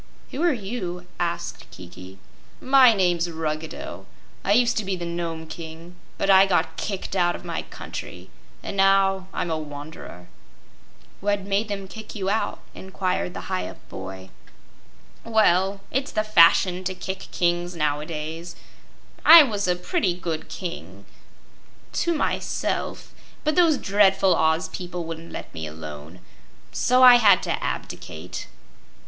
"Who are you?" asked Kiki. "My name's Ruggedo. I used to be the Nome King; but I got kicked out of my country, and now I'm a wanderer." "What made them kick you out?" inquired the Hyup boy. "Well, it's the fashion to kick kings nowadays. I was a pretty good King to myself but those dreadful Oz people wouldn't let me alone. So I had to abdicate."